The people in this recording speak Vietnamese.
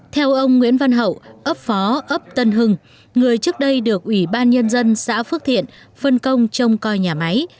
theo ông nguyễn văn hậu ấp phó ấp tân hưng người trước đây được ủy ban nhân dân xã phước thiện phân công trông coi nhà máy